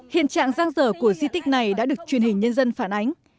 hiện trạng giang dở của di tích này đã được truyền hình nhân dân phản ánh